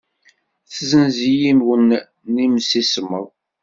Tessenz yiwen n yemsismeḍ.